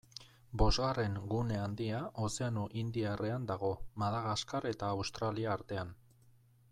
Bosgarren gune handia Ozeano Indiarrean dago, Madagaskar eta Australia artean.